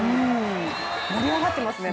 盛り上がっていますね。